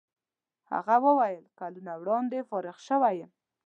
هغه وویل کلونه وړاندې فارغ شوی یم.